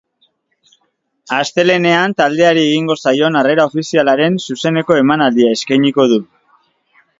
Astelehean taldeari egingo zaion harrera ofizialaren zuzeneko emanaldia eskainiko du.